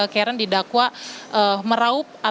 karen didakwa merauh perusahaan